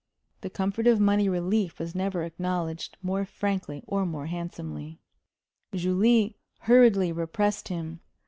The comfort of money relief was never acknowledged more frankly or more handsomely. Julie hurriedly repressed him.